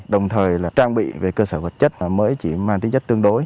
đồng thời trang bị về cơ sở vật chất mới chỉ mang tính chất tương đối